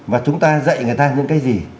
và chúng ta dạy người ta những cái gì